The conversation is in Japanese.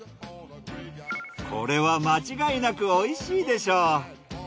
これは間違いなくおいしいでしょう。